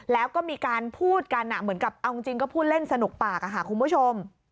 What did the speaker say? แล้วก็มีการพูดกันเหมือนกับเอาจริงก็พูดเล่นสนุกปากค่ะคุณผู้ชม